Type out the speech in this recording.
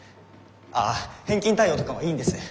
ああ返金対応とかはいいんです。